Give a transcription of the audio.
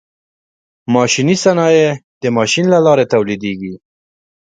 ماشیني صنایع د ماشین له لارې تولیدیږي.